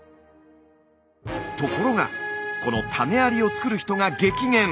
ところがこの種ありを作る人が激減。